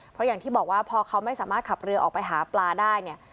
เพราะอย่างที่บอกว่าพอเขาไม่สามารถขับเรือออกไปหาปลาได้เนี่ย